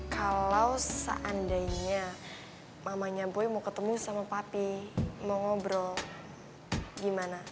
kalau seandainya mamanya boy mau ketemu sama pati mau ngobrol gimana